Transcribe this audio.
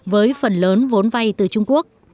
với phần lớn vốn vay từ trung quốc